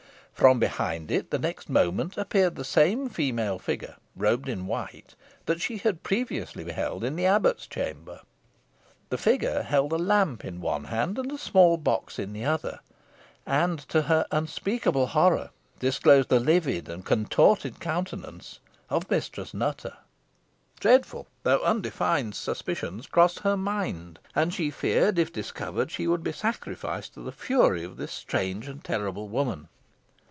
From behind it, the next moment, appeared the same female figure, robed in white, that she had previously beheld in the abbot's chamber. The figure held a lamp in one hand, and a small box in the other, and, to her unspeakable horror, disclosed the livid and contorted countenance of Mistress Nutter. [Illustration: ALIZON ALARMED AT THE APPEARANCE OF MRS. NUTTER.] Dreadful though undefined suspicions crossed her mind, and she feared, if discovered, she should be sacrificed to the fury of this strange and terrible woman.